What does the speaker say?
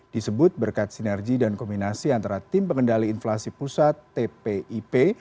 disebut berkat sinergi dan kombinasi antara tim pengendali inflasi pusat tpip